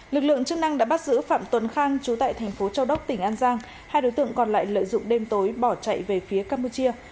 lực lượng chức năng đã bắt giữ phạm tuấn khang chú tại thành phố châu đốc tỉnh an giang hai đối tượng còn lại lợi dụng đêm tối bỏ chạy về phía campuchia